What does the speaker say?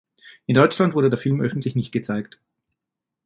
In Deutschland wurde der Film öffentlich nicht gezeigt.